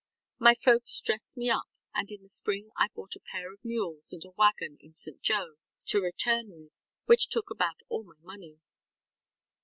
My folks dressed me up, and in the spring I bought a pair of mules and a wagon in St. Joe to return with, which took about all my money.